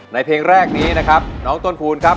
เพลงแรกนี้นะครับน้องต้นคูณครับ